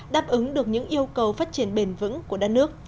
đáp ứng được những yêu cầu phát triển bền vững của đất nước